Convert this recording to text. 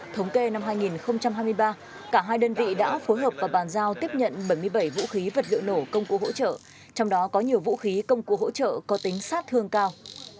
thống kê năm hai nghìn hai mươi ba cả hai đơn vị đã phối hợp và bàn giao tiếp nhận bảy mươi bảy vũ khí vật liệu nổ công cụ hỗ trợ trong đó có nhiều vũ khí công cụ hỗ trợ có tính sát thương cao